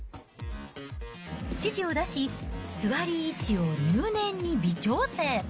指示を出し、座り位置を入念に微調整。